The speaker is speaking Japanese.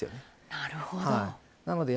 なるほど。